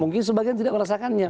mungkin sebagian tidak merasakannya